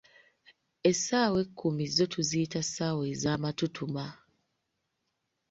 Essaawa ekkumi zo tuziyita "ssaawa ezamatutuma"